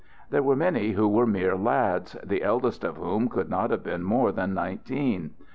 There were many who were mere lads, the eldest of whom could not have been more than nineteen.